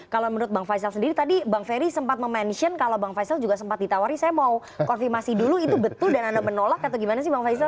kalau menurut bang faisal sendiri tadi bang ferry sempat mention kalau bang faisal juga sempat ditawari saya mau konfirmasi dulu itu betul dan anda menolak atau gimana sih bang faisal